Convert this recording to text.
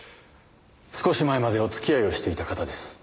少し前までお付き合いをしていた方です。